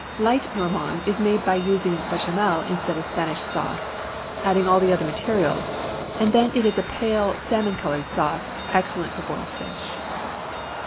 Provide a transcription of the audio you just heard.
Light Normande is made by using béchamel instead of Spanish sauce, adding all the other materials; it is then a pale salmon colored sauce, excellent for boiled fish.